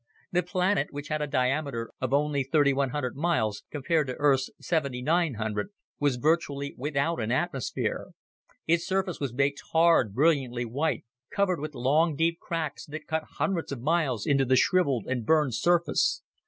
The planet, which had a diameter of only 3,100 miles, compared to Earth's 7,900, was virtually without an atmosphere. Its surface was baked hard, brilliantly white, covered with long, deep cracks that cut hundreds of miles into the shriveled and burned surface.